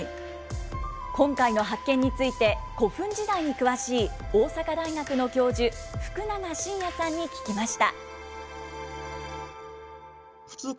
今回の発見について、古墳時代に詳しい大阪大学の教授、福永伸哉さんに聞きました。